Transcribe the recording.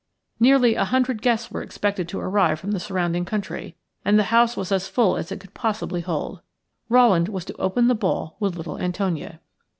Nearly a hundred guests were expected to arrive from the surrounding country, and the house was as full as it could possibly hold. Rowland was to open the ball with little Antonia.